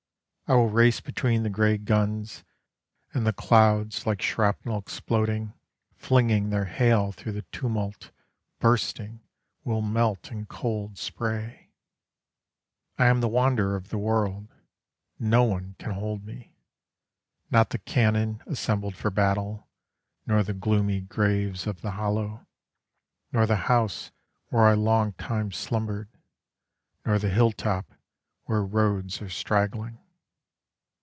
I will race between the grey guns, And the clouds, like shrapnel exploding, Flinging their hail through the tumult, Bursting, will melt in cold spray. I am the wanderer of the world; No one can hold me. Not the cannon assembled for battle, Nor the gloomy graves of the hollow, Nor the house where I long time slumbered, Nor the hilltop where roads are straggling.